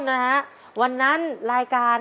จิตตะสังวโรครับ